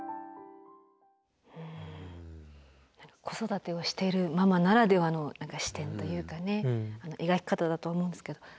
子育てをしているママならではの視点というかね描き方だと思うんですけど。